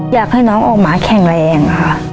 อยากให้น้องออกมาแข็งแรงค่ะ